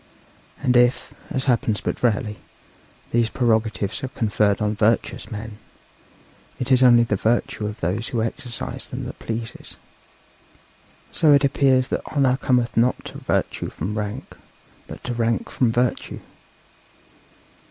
And if, as happens but rarely, these prerogatives are conferred on virtuous men, it is only the virtue of those who exercise them that pleases. So it appears that honour cometh not to virtue from rank, but to rank from virtue.